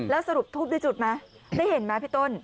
แล้วสรุปทูปได้จุดไหมได้เห็นไหมพี่ต้น